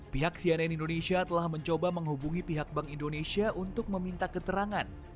pihak cnn indonesia telah mencoba menghubungi pihak bank indonesia untuk meminta keterangan